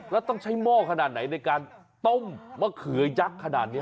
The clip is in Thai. แล้วต้องใช้หม้อขนาดไหนในการต้มมะเขือยักษ์ขนาดนี้